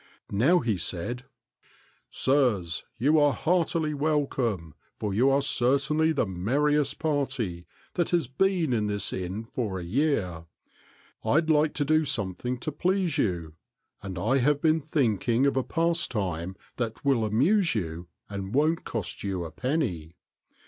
Now he said, " Sirs, you are heartily welcome, for you are certainly the merri est party that has been in this inn for a year. I 'd like to do something to please you, and I have been think ing of a pastime that will amuse you and won't cost you a penny.